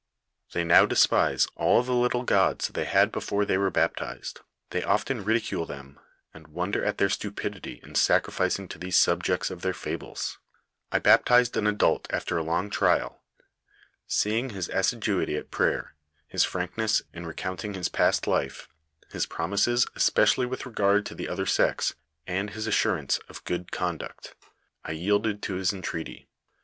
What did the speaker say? They now despise all the little gods they had before they were baptized : they often ridicule m 1 liv MFK OF FATHER MABQUETTBi. ■pl I" 11 I 1 i r mim them, and wonder at their stupidity in sacrificing to these subjects of their fables. " I baptized an adult after a long trial. Seeing his assi duity at prayer, his frankness in recounting his past life, his promises especially with regard to the other sex, and his as surance of good conduct, I yielded to his entreaty.